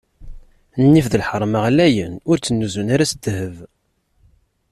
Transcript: Nnif d lḥerma ɣlayen, ur ttnuzzun ara s ddheb.